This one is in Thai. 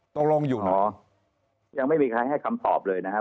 ตกลงอยู่เหรอยังไม่มีใครให้คำตอบเลยนะครับ